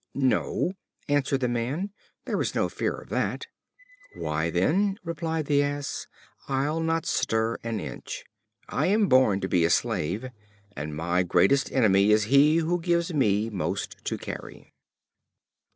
"No," answered the Man; "there is no fear of that." "Why, then," replied the Ass, "I'll not stir an inch. I am born to be a slave; and my greatest enemy is he who gives me most to carry."